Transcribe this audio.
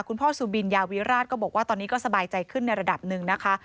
คุณพ่อสุบินยาวิราชก็บอกว่าตอนนี้ก็สบายใจขึ้นในระดับหนึ่งนะคะ